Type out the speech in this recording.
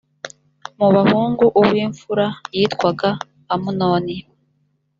mu bahungu uw’imfura yitwaga amunoni